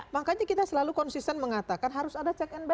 makanya kita selalu konsisten mengatakan harus ada check and balan